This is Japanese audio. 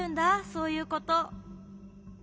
そういうこと。